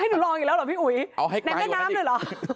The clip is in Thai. ให้หนูลองอีกแล้วหรอพี่อุ๋ยแม่น้ำหน่อยหรอ